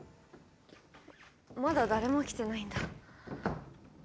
まだ誰も来てないんだ。